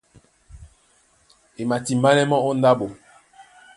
E matimbánɛ́ mɔ́ ó ndáɓo.